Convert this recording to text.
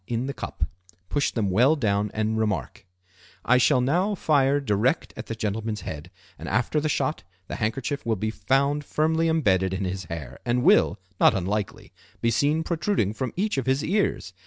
in the cup; push them well down and remark:—"I shall now fire direct at the gentleman's head, and after the shot the handkerchief will be found firmly embedded in his hair, and will, not unlikely, be seen protruding from each of his ears.